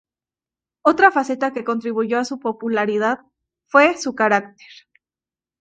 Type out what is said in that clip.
Otra faceta que contribuyó a su popularidad fue su carácter.